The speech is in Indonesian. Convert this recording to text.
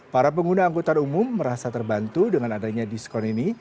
para pengguna angkutan umum merasa terbantu dengan adanya diskon ini